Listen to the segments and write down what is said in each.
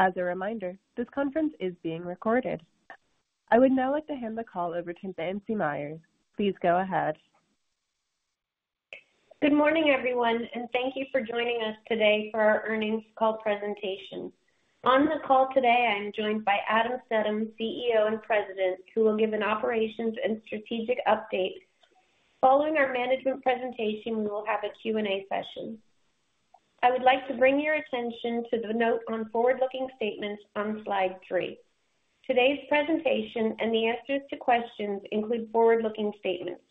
As a reminder, this conference is being recorded. I would now like to hand the call over to Nancy Meyers. Please go ahead. Good morning, everyone, and thank you for joining us today for our earnings call presentation. On the call today, I'm joined by Adam Stedham, CEO and President, who will give an operations and strategic update. Following our management presentation, we will have a Q&A session. I would like to bring your attention to the note on forward-looking statements on slide three. Today's presentation and the answers to questions include forward-looking statements.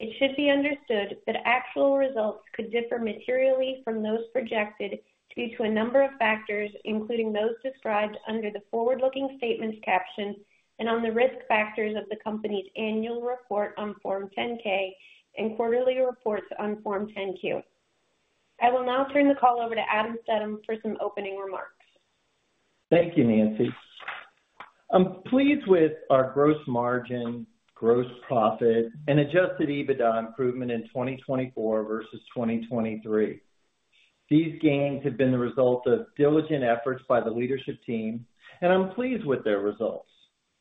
It should be understood that actual results could differ materially from those projected due to a number of factors, including those described under the forward-looking statements caption and on the risk factors of the company's annual report on Form 10-K and quarterly reports on Form 10-Q. I will now turn the call over to Adam Stedham for some opening remarks. Thank you, Nancy. I'm pleased with our gross margin, gross profit, and Adjusted EBITDA improvement in 2024 versus 2023. These gains have been the result of diligent efforts by the leadership team, and I'm pleased with their results.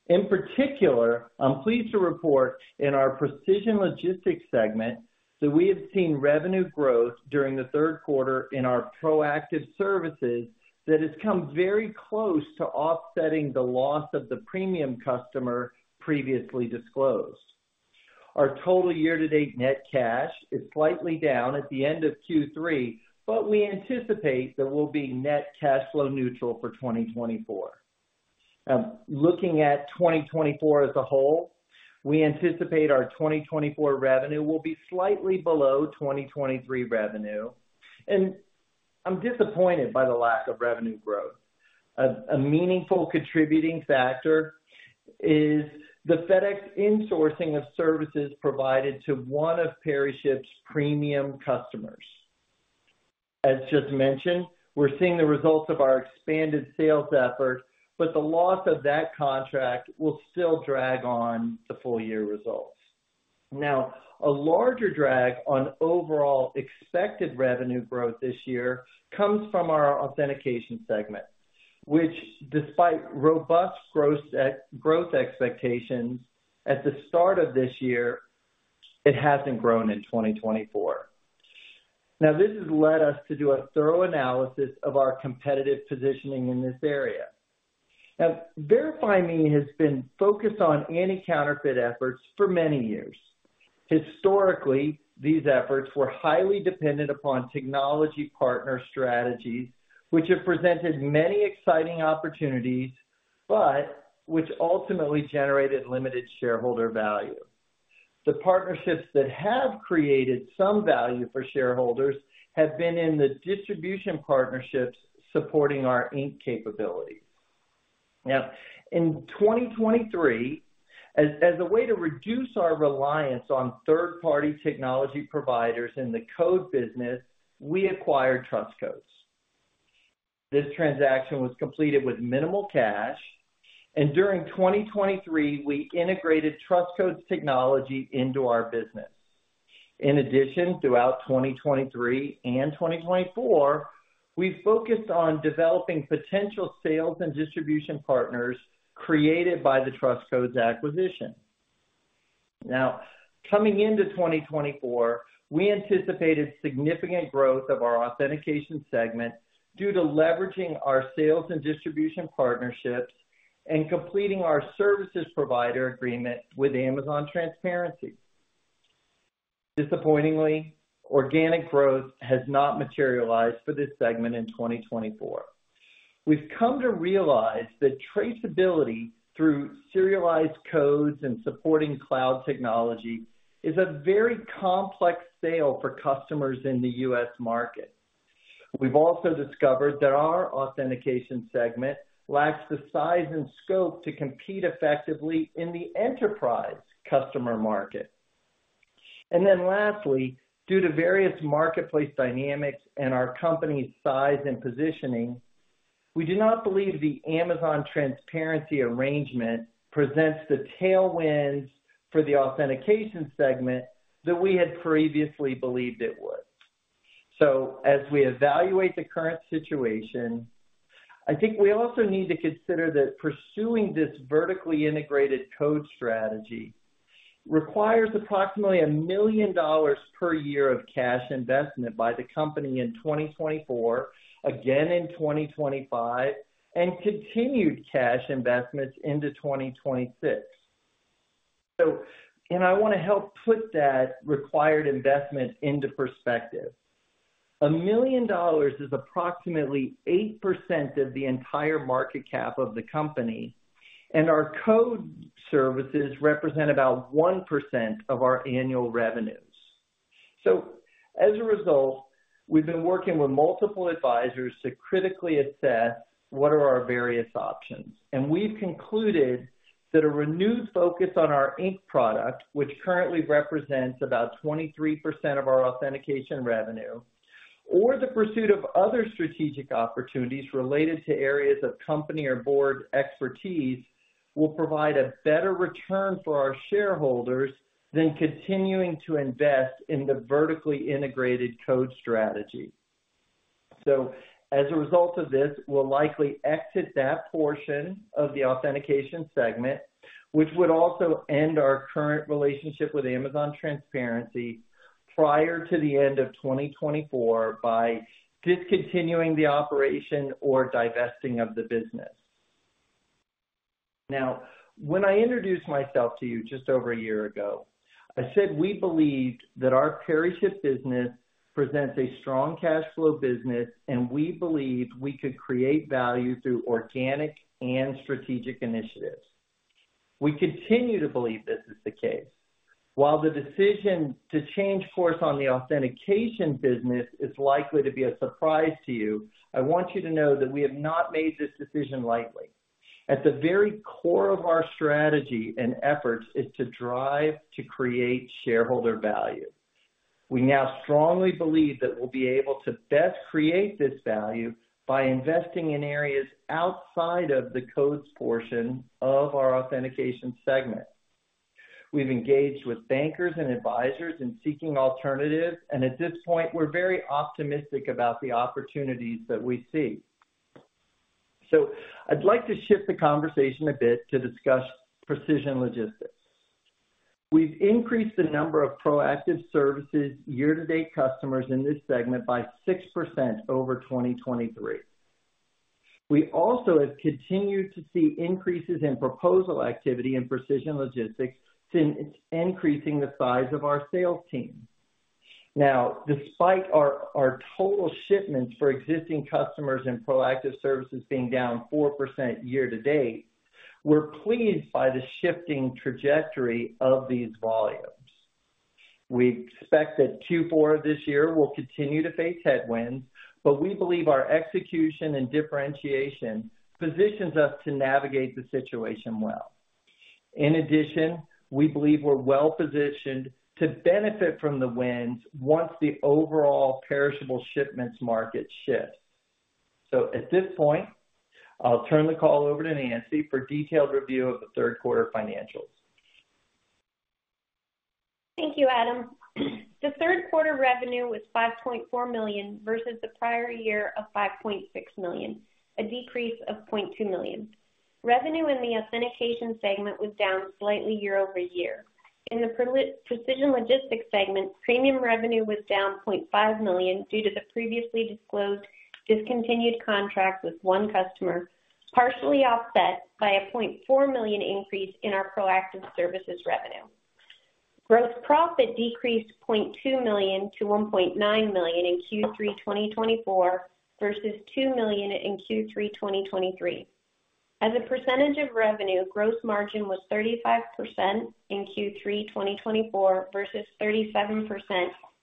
In particular, I'm pleased to report in our Precision Logistics segment that we have seen revenue growth during the third quarter in our proactive services that has come very close to offsetting the loss of the premium customer previously disclosed. Our total year-to-date net cash is slightly down at the end of Q3, but we anticipate that we'll be net cash flow neutral for 2024. Looking at 2024 as a whole, we anticipate our 2024 revenue will be slightly below 2023 revenue, and I'm disappointed by the lack of revenue growth. A meaningful contributing factor is the FedEx insourcing of services provided to one of PeriShip's premium customers. As just mentioned, we're seeing the results of our expanded sales effort, but the loss of that contract will still drag on the full-year results. Now, a larger drag on overall expected revenue growth this year comes from our authentication segment, which, despite robust growth expectations at the start of this year, it hasn't grown in 2024. Now, this has led us to do a thorough analysis of our competitive positioning in this area. Now, VerifyMe has been focused on anti-counterfeit efforts for many years. Historically, these efforts were highly dependent upon technology partner strategies, which have presented many exciting opportunities, but which ultimately generated limited shareholder value. The partnerships that have created some value for shareholders have been in the distribution partnerships supporting our ink capabilities. Now, in 2023, as a way to reduce our reliance on third-party technology providers in the code business, we acquired TrustCodes. This transaction was completed with minimal cash, and during 2023, we integrated TrustCodes technology into our business. In addition, throughout 2023 and 2024, we focused on developing potential sales and distribution partners created by the TrustCodes acquisition. Now, coming into 2024, we anticipated significant growth of our authentication segment due to leveraging our sales and distribution partnerships and completing our service provider agreement with Amazon Transparency. Disappointingly, organic growth has not materialized for this segment in 2024. We've come to realize that traceability through serialized codes and supporting cloud technology is a very complex sale for customers in the U.S. market. We've also discovered that our authentication segment lacks the size and scope to compete effectively in the enterprise customer market. Then lastly, due to various marketplace dynamics and our company's size and positioning, we do not believe the Amazon Transparency arrangement presents the tailwinds for the authentication segment that we had previously believed it would. So, as we evaluate the current situation, I think we also need to consider that pursuing this vertically integrated code strategy requires approximately $1 million per year of cash investment by the company in 2024, again in 2025, and continued cash investments into 2026. So, and I want to help put that required investment into perspective. $1 million is approximately 8% of the entire market cap of the company, and our code services represent about 1% of our annual revenues. So, as a result, we've been working with multiple advisors to critically assess what are our various options. And we've concluded that a renewed focus on our ink product, which currently represents about 23% of our authentication revenue, or the pursuit of other strategic opportunities related to areas of company or board expertise will provide a better return for our shareholders than continuing to invest in the vertically integrated code strategy. So, as a result of this, we'll likely exit that portion of the authentication segment, which would also end our current relationship with Amazon Transparency prior to the end of 2024 by discontinuing the operation or divesting of the business. Now, when I introduced myself to you just over a year ago, I said we believed that our PeriShip business presents a strong cash flow business, and we believed we could create value through organic and strategic initiatives. We continue to believe this is the case. While the decision to change course on the authentication business is likely to be a surprise to you, I want you to know that we have not made this decision lightly. At the very core of our strategy and efforts is to drive to create shareholder value. We now strongly believe that we'll be able to best create this value by investing in areas outside of the codes portion of our authentication segment. We've engaged with bankers and advisors in seeking alternatives, and at this point, we're very optimistic about the opportunities that we see. So, I'd like to shift the conversation a bit to discuss Precision Logistics. We've increased the number of proactive services year-to-date customers in this segment by 6% over 2023. We also have continued to see increases in proposal activity in Precision Logistics since increasing the size of our sales team. Now, despite our total shipments for existing customers and proactive services being down 4% year-to-date, we're pleased by the shifting trajectory of these volumes. We expect that Q4 of this year will continue to face headwinds, but we believe our execution and differentiation positions us to navigate the situation well. In addition, we believe we're well positioned to benefit from the winds once the overall perishable shipments market shifts. So, at this point, I'll turn the call over to Nancy for detailed review of the third quarter financials. Thank you, Adam. The third quarter revenue was $5.4 million versus the prior year of $5.6 million, a decrease of $0.2 million. Revenue in the authentication segment was down slightly year-over-year. In the Precision Logistics segment, premium revenue was down $0.5 million due to the previously disclosed discontinued contract with one customer, partially offset by a $0.4 million increase in our proactive services revenue. Gross profit decreased $0.2 million to $1.9 million in Q3 2024 versus $2 million in Q3 2023. As a percentage of revenue, gross margin was 35% in Q3 2024 versus 37%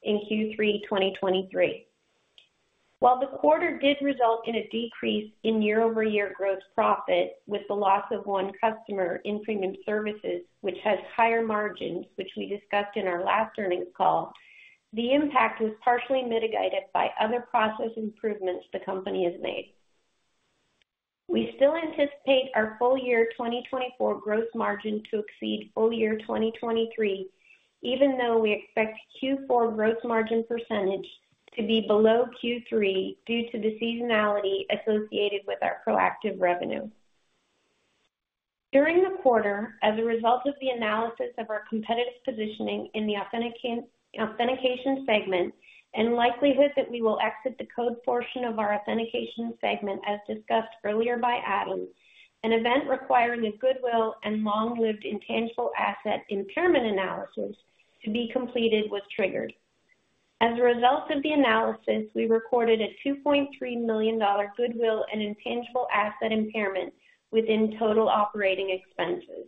in Q3 2023. While the quarter did result in a decrease in year-over-year gross profit with the loss of one customer in premium services, which has higher margins, which we discussed in our last earnings call, the impact was partially mitigated by other process improvements the company has made. We still anticipate our full-year 2024 gross margin to exceed full-year 2023, even though we expect Q4 gross margin percentage to be below Q3 due to the seasonality associated with our proactive revenue. During the quarter, as a result of the analysis of our competitive positioning in the authentication segment and likelihood that we will exit the code portion of our authentication segment, as discussed earlier by Adam, an event requiring a goodwill and long-lived intangible asset impairment analysis to be completed was triggered. As a result of the analysis, we recorded a $2.3 million goodwill and intangible asset impairment within total operating expenses.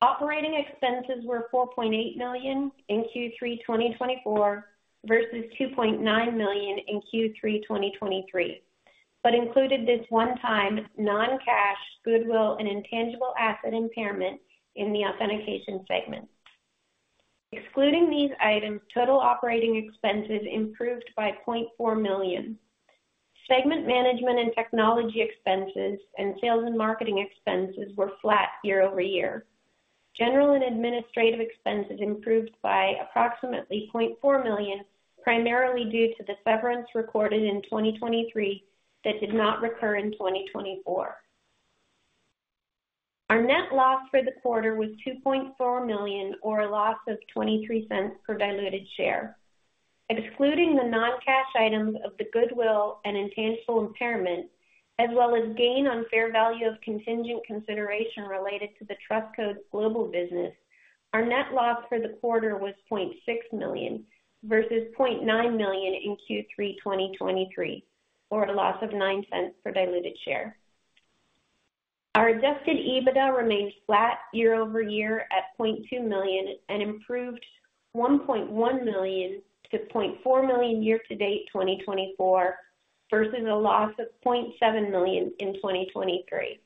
Operating expenses were $4.8 million in Q3 2024 versus $2.9 million in Q3 2023, but included this one-time non-cash goodwill and intangible asset impairment in the authentication segment. Excluding these items, total operating expenses improved by $0.4 million. Segment management and technology expenses and sales and marketing expenses were flat year-over-year. General and administrative expenses improved by approximately $0.4 million, primarily due to the severance recorded in 2023 that did not recur in 2024. Our net loss for the quarter was $2.4 million, or a loss of $0.23 per diluted share. Excluding the non-cash items of the goodwill and intangible impairment, as well as gain on fair value of contingent consideration related to the TrustCodes global business, our net loss for the quarter was $0.6 million versus $0.9 million in Q3 2023, or a loss of $0.09 per diluted share. Our Adjusted EBITDA remained flat year-over-year at $0.2 million and improved $1.1 million to $0.4 million year-to-date 2024 versus a loss of $0.7 million in 2023.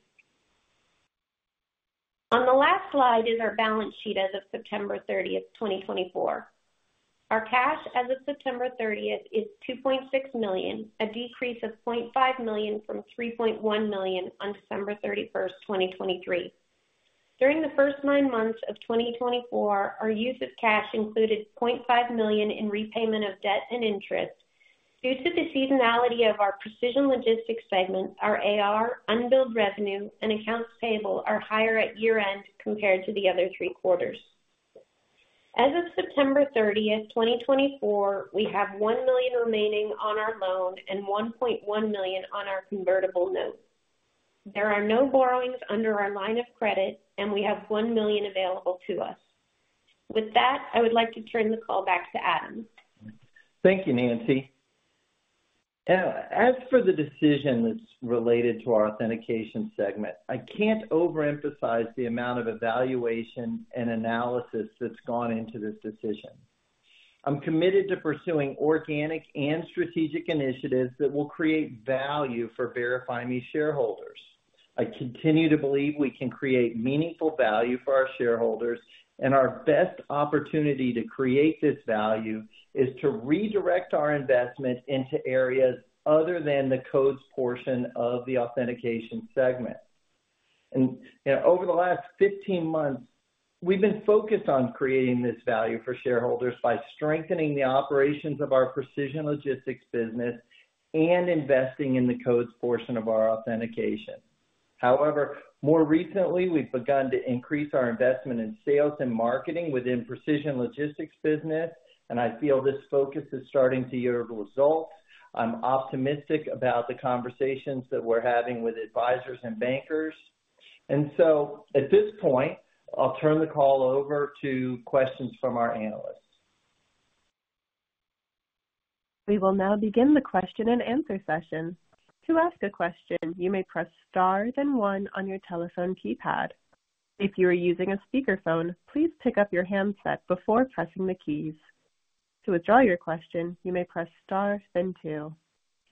On the last slide is our balance sheet as of September 30, 2024. Our cash as of September 30 is $2.6 million, a decrease of $0.5 million from $3.1 million on December 31, 2023. During the first nine months of 2024, our use of cash included $0.5 million in repayment of debt and interest. Due to the seasonality of our Precision Logistics segment, our AR, unbilled revenue, and accounts payable are higher at year-end compared to the other three quarters. As of September 30, 2024, we have $1 million remaining on our loan and $1.1 million on our convertible note. There are no borrowings under our line of credit, and we have $1 million available to us. With that, I would like to turn the call back to Adam. Thank you, Nancy. Now, as for the decision that's related to our authentication segment, I can't overemphasize the amount of evaluation and analysis that's gone into this decision. I'm committed to pursuing organic and strategic initiatives that will create value for VerifyMe shareholders. I continue to believe we can create meaningful value for our shareholders, and our best opportunity to create this value is to redirect our investment into areas other than the codes portion of the authentication segment, and over the last 15 months, we've been focused on creating this value for shareholders by strengthening the operations of our Precision Logistics business and investing in the codes portion of our authentication. However, more recently, we've begun to increase our investment in sales and marketing within Precision Logistics business, and I feel this focus is starting to yield results. I'm optimistic about the conversations that we're having with advisors and bankers, and so at this point, I'll turn the call over to questions from our analysts. We will now begin the question-and-answer session. To ask a question, you may press star then one on your telephone keypad. If you are using a speakerphone, please pick up your handset before pressing the keys. To withdraw your question, you may press star then two.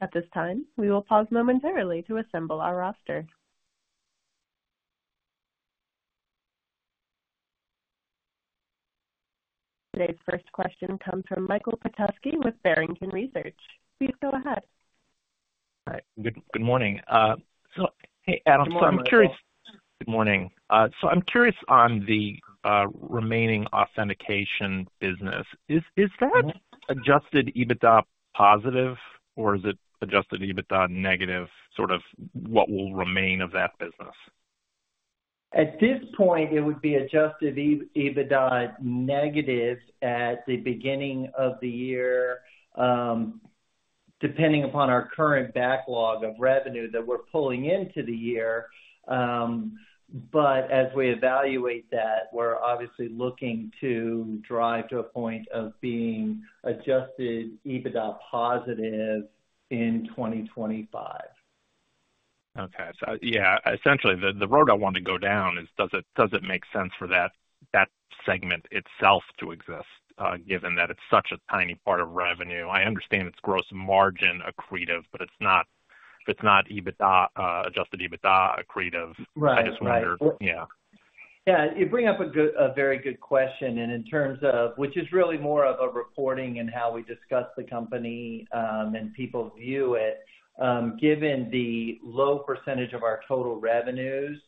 At this time, we will pause momentarily to assemble our roster. Today's first question comes from Michael Petusky with Barrington Research. Please go ahead. Hi. Good morning. Hey, Adam. Good morning. I'm curious. Good morning. So I'm curious on the remaining authentication business. Is that Adjusted EBITDA positive, or is it Adjusted EBITDA negative, sort of what will remain of that business? At this point, it would be Adjusted EBITDA negative at the beginning of the year, depending upon our current backlog of revenue that we're pulling into the year. But as we evaluate that, we're obviously looking to drive to a point of being Adjusted EBITDA positive in 2025. Okay. So, yeah, essentially, the road I want to go down is, does it make sense for that segment itself to exist, given that it's such a tiny part of revenue? I understand it's Gross Margin accretive, but if it's not Adjusted EBITDA accretive, I just wonder. Right. Yeah. Yeah. You bring up a very good question, and in terms of which is really more of a reporting and how we discuss the company and people view it. Given the low percentage of our total revenues,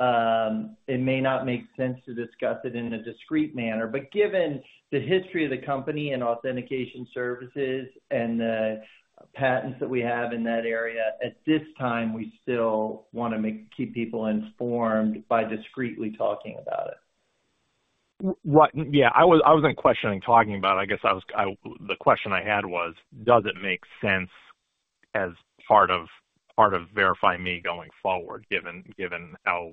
it may not make sense to discuss it in a discreet manner. But given the history of the company and authentication services and the patents that we have in that area, at this time, we still want to keep people informed by discreetly talking about it. Yeah. I wasn't questioning talking about it. I guess the question I had was, does it make sense as part of VerifyMe going forward, given how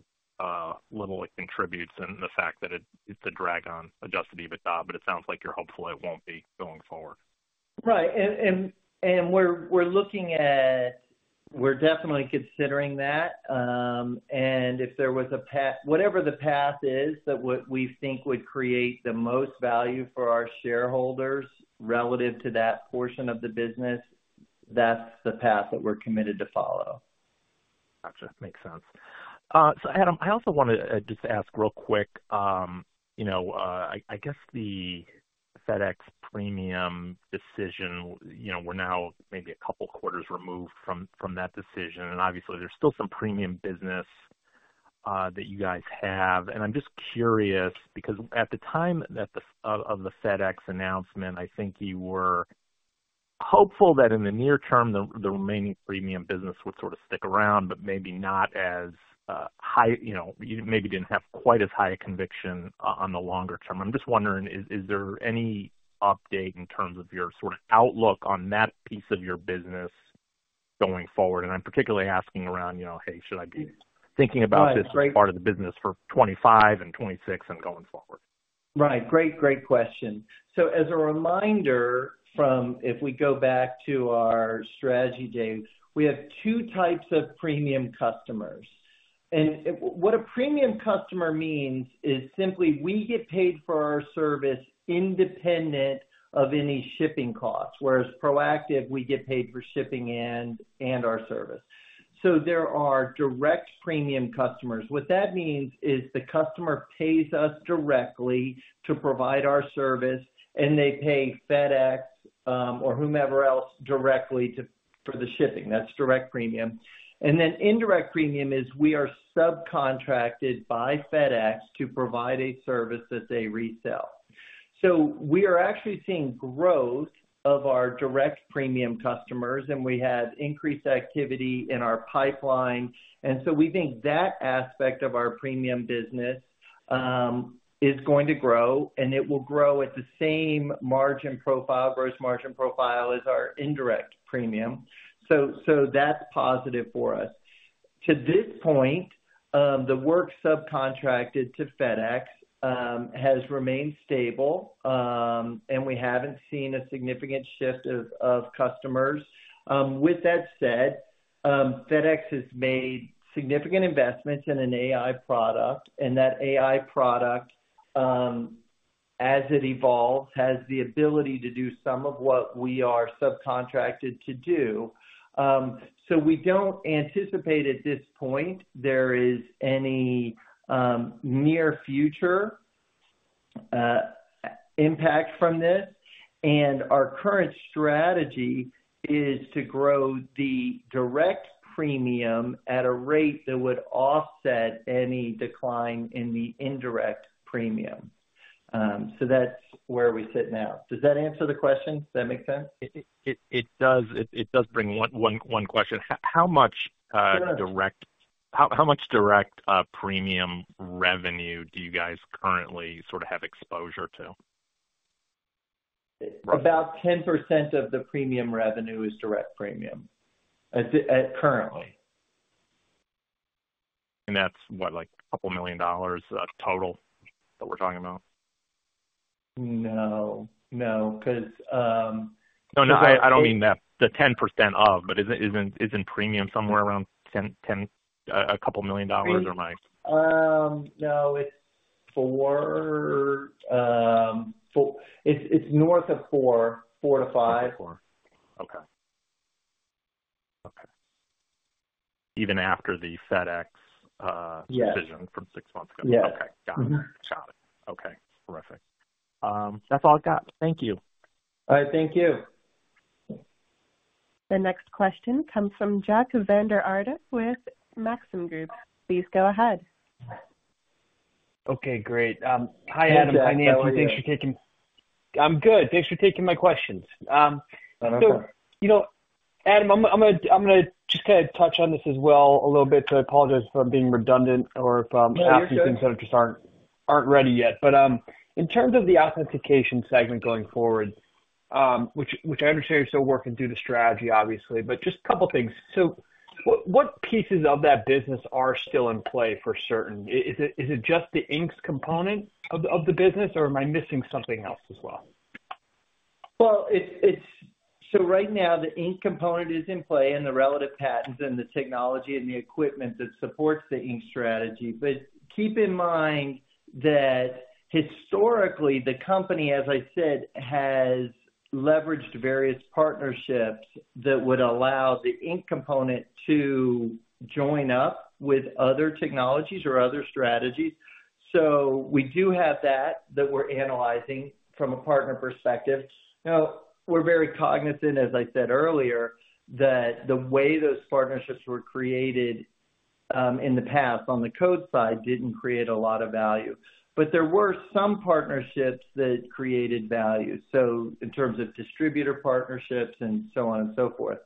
little it contributes and the fact that it's a drag on Adjusted EBITDA? But it sounds like you're hopeful it won't be going forward. Right. And we're definitely considering that. And if there was a path, whatever the path is that we think would create the most value for our shareholders relative to that portion of the business, that's the path that we're committed to follow. Gotcha. Makes sense. So, Adam, I also want to just ask real quick. I guess the FedEx premium decision, we're now maybe a couple of quarters removed from that decision. And obviously, there's still some premium business that you guys have. And I'm just curious because at the time of the FedEx announcement, I think you were hopeful that in the near term, the remaining premium business would sort of stick around, but maybe not as high. You maybe didn't have quite as high a conviction on the longer term. I'm just wondering, is there any update in terms of your sort of outlook on that piece of your business going forward? And I'm particularly asking around, hey, should I be thinking about this part of the business for 2025 and 2026 and going forward? Right. Great, great question. So, as a reminder, if we go back to our strategy days, we have two types of premium customers. And what a premium customer means is simply we get paid for our service independent of any shipping costs, whereas proactive, we get paid for shipping and our service. So there are direct premium customers. What that means is the customer pays us directly to provide our service, and they pay FedEx or whomever else directly for the shipping. That's direct premium. And then indirect premium is we are subcontracted by FedEx to provide a service that they resell. So we are actually seeing growth of our direct premium customers, and we have increased activity in our pipeline. And so we think that aspect of our premium business is going to grow, and it will grow at the same margin profile, gross margin profile as our indirect premium. So that's positive for us. To this point, the work subcontracted to FedEx has remained stable, and we haven't seen a significant shift of customers. With that said, FedEx has made significant investments in an AI product, and that AI product, as it evolves, has the ability to do some of what we are subcontracted to do. So we don't anticipate at this point there is any near future impact from this. And our current strategy is to grow the direct premium at a rate that would offset any decline in the indirect premium. So that's where we sit now. Does that answer the question? Does that make sense? It does. It does bring one question. How much direct premium revenue do you guys currently sort of have exposure to? About 10% of the premium revenue is direct premium currently. That's what, like $2 million total that we're talking about? No. No. Because. No, no. I don't mean the 10% of, but isn't premium somewhere around $2 million? No. It's north of four, four to five. Okay. Okay. Even after the FedEx decision from six months ago? Yeah. Okay. Got it. Terrific. That's all I've got. Thank you. All right. Thank you. The next question comes from Jack Vander Aarde with Maxim Group. Please go ahead. Okay. Great. Hi, Adam. I'm Nancy. Thanks for taking. How are you? I'm good. Thanks for taking my questions. Thanks. So, Adam, I'm going to just kind of touch on this as well a little bit. So I apologize if I'm being redundant or if I'm asking things that just aren't ready yet. But in terms of the authentication segment going forward, which I understand you're still working through the strategy, obviously, but just a couple of things. So what pieces of that business are still in play for certain? Is it just the ink component of the business, or am I missing something else as well? Well, so right now, the ink component is in play and the relative patents and the technology and the equipment that supports the ink strategy. But keep in mind that historically, the company, as I said, has leveraged various partnerships that would allow the ink component to join up with other technologies or other strategies. So we do have that we're analyzing from a partner perspective. Now, we're very cognizant, as I said earlier, that the way those partnerships were created in the past on the code side didn't create a lot of value. But there were some partnerships that created value, so in terms of distributor partnerships and so on and so forth.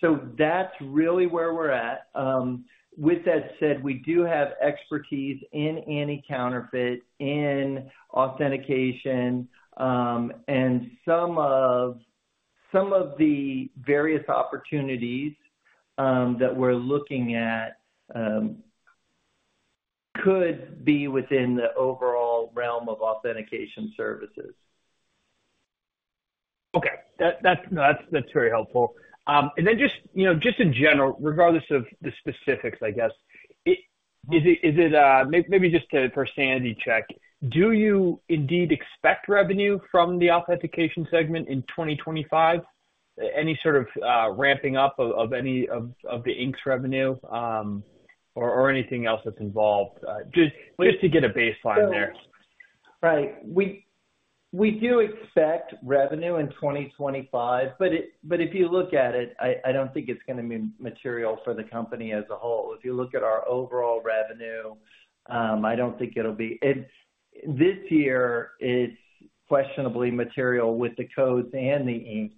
So that's really where we're at. With that said, we do have expertise in anti-counterfeit, in authentication, and some of the various opportunities that we're looking at could be within the overall realm of authentication services. Okay. That's very helpful. And then just in general, regardless of the specifics, I guess, is it maybe just a personality check? Do you indeed expect revenue from the authentication segment in 2025? Any sort of ramping up of any of the ink's revenue or anything else that's involved? Just to get a baseline there. Right. We do expect revenue in 2025, but if you look at it, I don't think it's going to be material for the company as a whole. If you look at our overall revenue, I don't think it'll be. This year, it's questionably material with the codes and the ink,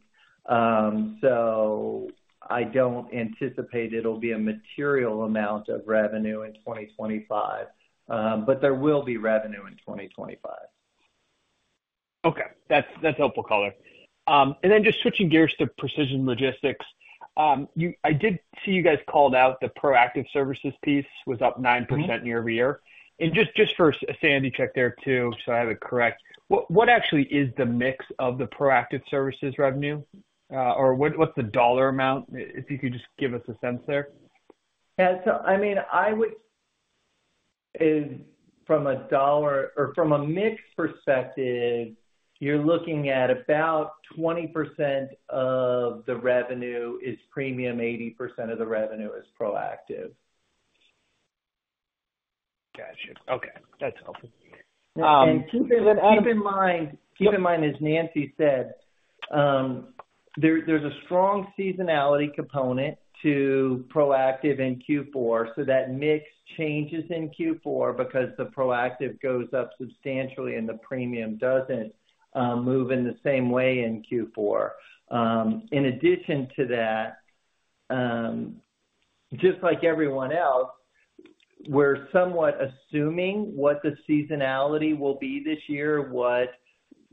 so I don't anticipate it'll be a material amount of revenue in 2025, but there will be revenue in 2025. Okay. That's helpful color. And then just switching gears to Precision Logistics, I did see you guys called out the proactive services piece was up 9% year over year. And just for a sanity check there too, so I have it correct, what actually is the mix of the proactive services revenue? Or what's the dollar amount? If you could just give us a sense there. Yeah, so I mean, from a dollar or from a mix perspective, you're looking at about 20% of the revenue is premium, 80% of the revenue is proactive. Gotcha. Okay. That's helpful. And keep in mind, as Nancy said, there's a strong seasonality component to proactive in Q4. So that mix changes in Q4 because the proactive goes up substantially and the premium doesn't move in the same way in Q4. In addition to that, just like everyone else, we're somewhat assuming what the seasonality will be this year, what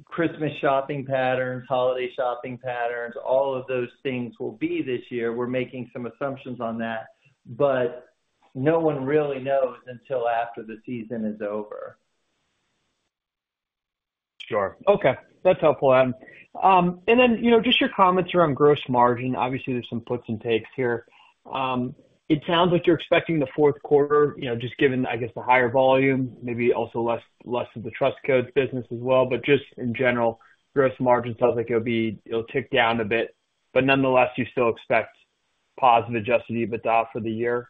Christmas shopping patterns, holiday shopping patterns, all of those things will be this year. We're making some assumptions on that, but no one really knows until after the season is over. Sure. Okay. That's helpful, Adam. And then just your comments around gross margin. Obviously, there's some puts and takes here. It sounds like you're expecting the fourth quarter, just given, I guess, the higher volume, maybe also less of the TrustCodes business as well. But just in general, gross margin sounds like it'll tick down a bit. But nonetheless, you still expect positive Adjusted EBITDA for the year.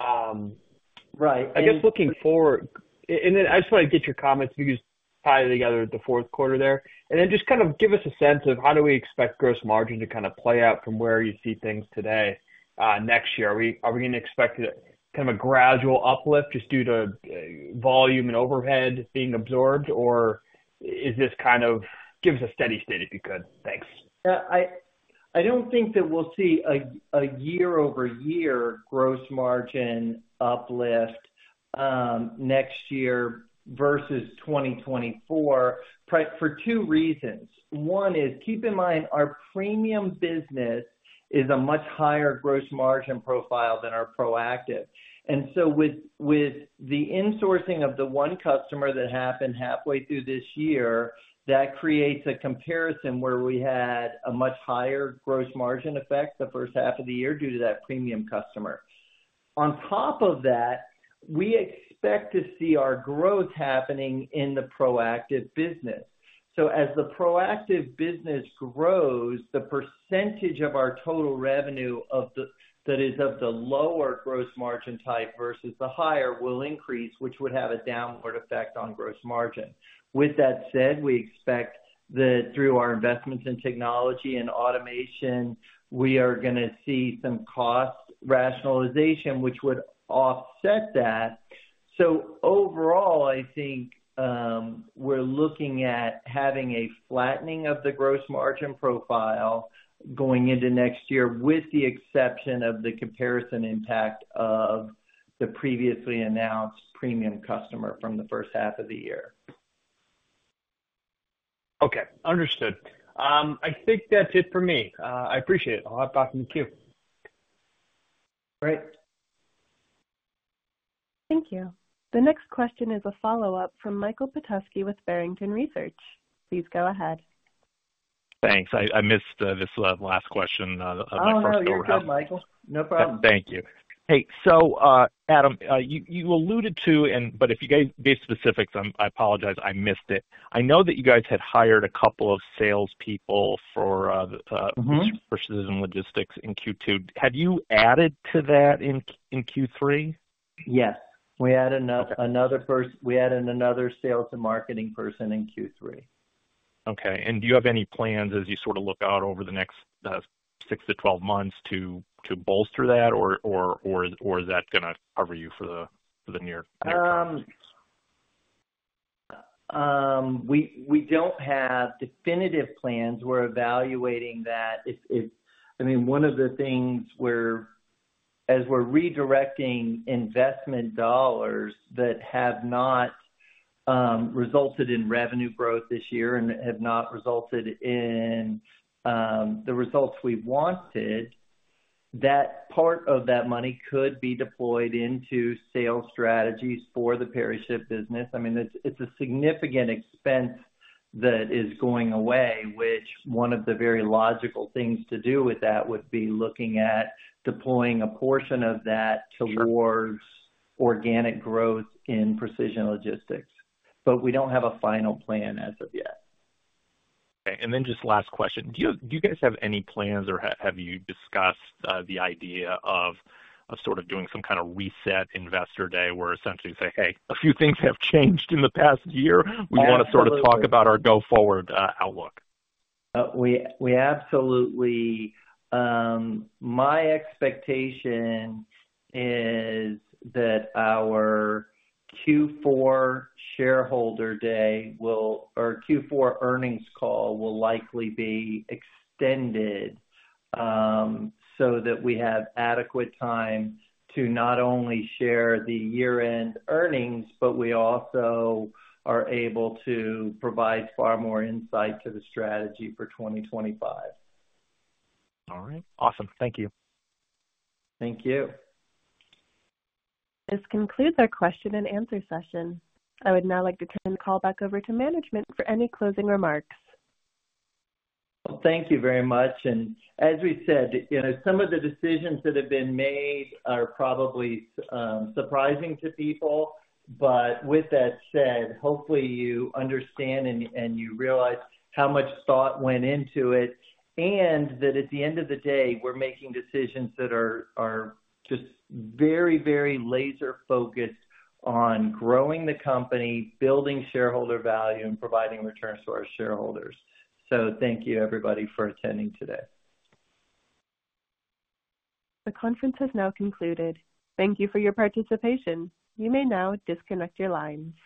Right. I guess looking forward, and then I just want to get your comments pieced together at the fourth quarter there. And then just kind of give us a sense of how do we expect gross margin to kind of play out from where you see things today next year? Are we going to expect kind of a gradual uplift just due to volume and overhead being absorbed? Or is this kind of give us a steady state, if you could? Thanks. Yeah. I don't think that we'll see a year-over-year gross margin uplift next year versus 2024 for two reasons. One is keep in mind our premium business is a much higher gross margin profile than our proactive. And so with the insourcing of the one customer that happened halfway through this year, that creates a comparison where we had a much higher gross margin effect the first half of the year due to that premium customer. On top of that, we expect to see our growth happening in the proactive business. So as the proactive business grows, the percentage of our total revenue that is of the lower gross margin type versus the higher will increase, which would have a downward effect on gross margin. With that said, we expect that through our investments in technology and automation, we are going to see some cost rationalization, which would offset that. Overall, I think we're looking at having a flattening of the gross margin profile going into next year with the exception of the comparison impact of the previously announced premium customer from the first half of the year. Okay. Understood. I think that's it for me. I appreciate it. I'll hop back in the queue. Great. Thank you. The next question is a follow-up from Michael Petusky with Barrington Research. Please go ahead. Thanks. I missed this last question of my first go-around. Oh, no. You're good, Michael. No problem. Thank you. Hey, so Adam, you alluded to, but if you gave me specifics, I apologize. I missed it. I know that you guys had hired a couple of salespeople for Precision Logistics in Q2. Had you added to that in Q3? Yes. We added another sales and marketing person in Q3. Okay. And do you have any plans as you sort of look out over the next six to 12 months to bolster that, or is that going to cover you for the near term? We don't have definitive plans. We're evaluating that. I mean, one of the things as we're redirecting investment dollars that have not resulted in revenue growth this year and have not resulted in the results we wanted, that part of that money could be deployed into sales strategies for the PeriShip business. I mean, it's a significant expense that is going away, which one of the very logical things to do with that would be looking at deploying a portion of that towards organic growth in Precision Logistics. But we don't have a final plan as of yet. Okay. And then just last question. Do you guys have any plans or have you discussed the idea of sort of doing some kind of reset investor day where essentially say, "Hey, a few things have changed in the past year. We want to sort of talk about our go-forward outlook"? We absolutely. My expectation is that our Q4 shareholder day or Q4 earnings call will likely be extended so that we have adequate time to not only share the year-end earnings, but we also are able to provide far more insight to the strategy for 2025. All right. Awesome. Thank you. Thank you. This concludes our question and answer session. I would now like to turn the call back over to management for any closing remarks. Thank you very much. As we said, some of the decisions that have been made are probably surprising to people, but with that said, hopefully, you understand and you realize how much thought went into it and that at the end of the day, we're making decisions that are just very, very laser-focused on growing the company, building shareholder value, and providing returns to our shareholders. Thank you, everybody, for attending today. The conference has now concluded. Thank you for your participation. You may now disconnect your lines.